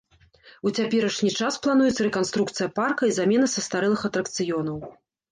У цяперашні час плануецца рэканструкцыя парка і замена састарэлых атракцыёнаў.